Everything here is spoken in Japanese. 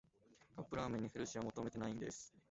カップラーメンにヘルシーは求めてないんです